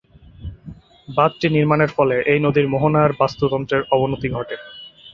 বাঁধটি নির্মাণের ফলে এই নদীর মোহনার বাস্তুতন্ত্রের অবনতি ঘটে।